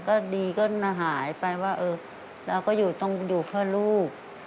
ก็ดีก็หายไปว่าเออเราก็อยู่ต้องอยู่เพื่อลูก